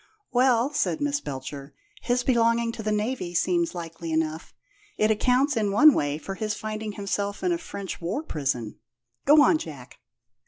"Well," said Miss Belcher, "his belonging to the Navy seems likely enough. It accounts, in one way, for his finding himself in a French war prison. Go on, Jack."